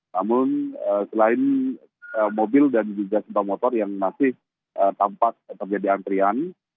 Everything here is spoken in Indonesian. namun selain mobil dan juga sebuah motor yang masih tampak terjadi antrian